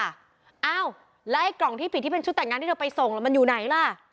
อ้าวแล้วไอ้กล่องที่ผิดที่เป็นชุดแต่งงานที่เธอไปส่งมันอยู่ไหนล่ะ